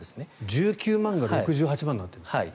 １９万が６８万になってるんですね。